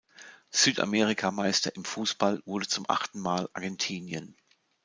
Südamerika-Meister im Fußball wurde zum achten Mal Argentinien.